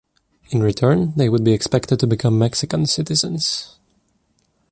In return, they would be expected to become Mexican citizens.